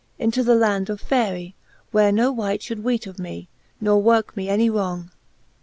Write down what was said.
Into the land of Eaericy where no wight Should weet of me, nor worke me any wrong.